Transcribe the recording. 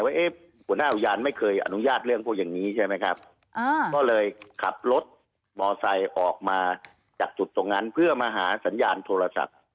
ว่าหัวหน้าอุทยานไม่เคยอนุญาตเรื่องพวกอย่างนี้ใช่ไหมครับก็เลยขับรถมอไซค์ออกมาจากจุดตรงนั้นเพื่อมาหาสัญญาณโทรศัพท์